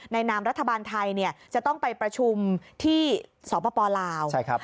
ในนามรัฐบาลไทยจะต้องไปประชุมที่สปลาวใช่ครับ